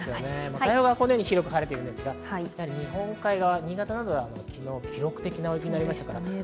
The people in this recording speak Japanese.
太平洋側は広く晴れていますが日本海側、新潟などでは記録的な大雪になりました。